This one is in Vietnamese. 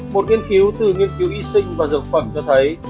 một nghiên cứu từ nghiên cứu y sinh và dược phẩm cho thấy